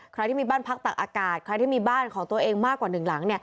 ใครที่มีบ้านพักตักอากาศใครที่มีบ้านของตัวเองมากกว่าหนึ่งหลัง